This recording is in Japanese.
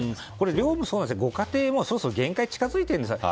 量もそうなんですけどご家庭もそろそろ限界が近づいているんです。